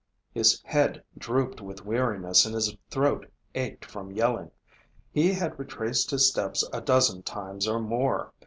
His head drooped with weariness and his throat ached from yelling. He had retraced his steps a dozen times or more.